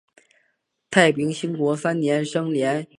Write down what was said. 太平兴国三年升涟水县置。